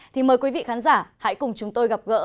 thì mời quý vị khán giả hãy cùng chúng tôi gặp gỡ